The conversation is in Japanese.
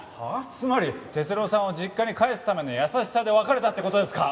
つまり哲郎さんを実家に帰すための優しさで別れたって事ですか？